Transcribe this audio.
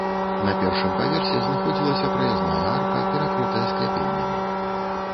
На першым паверсе знаходзілася праязная арка, перакрытая скляпеннямі.